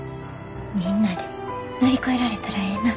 みんなで乗り越えられたらええな。